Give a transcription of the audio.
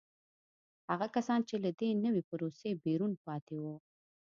هغه کسان چې له دې نوې پروسې بیرون پاتې وو